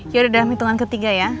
ya udah dah hitungan ketiga ya